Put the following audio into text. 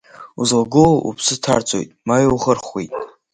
Узлагылоу уԥсы ҭарҵоит ма иухырхуеит…